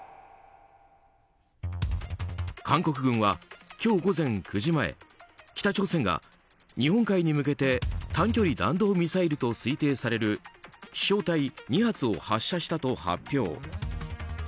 韓国軍は、今日午前９時前北朝鮮が日本海に向けて短距離弾道ミサイルと推定される飛翔体２発を発射したと発表。